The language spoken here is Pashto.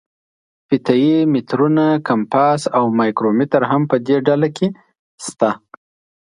فیته یي مترونه، کمپاس او مایکرومتر هم په دې ډله کې شته.